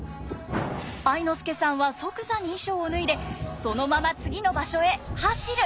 愛之助さんは即座に衣裳を脱いでそのまま次の場所へ走る！